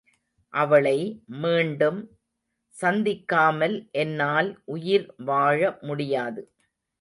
அவளை மீண்டும் சந்திக்காமல் என்னால் உயிர் வாழ முடியாது.